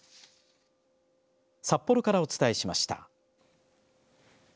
札幌からお伝えしました。